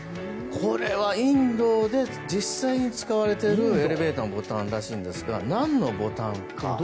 これはインドで実際に使われているエレベーターのボタンなんですがなんのボタンか。